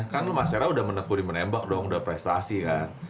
kan mas sera udah menekuni menembak dong udah prestasi kan